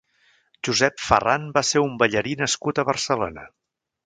Josep Ferrán va ser un ballarí nascut a Barcelona.